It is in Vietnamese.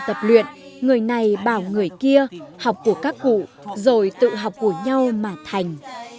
tập luyện người này bảo người kia học của các cụ rồi tự học của nhau mà thành